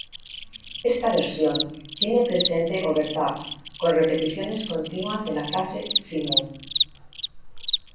Esta versión tiene presente "overdubs" con repeticiones continuas de la frase "c'mon".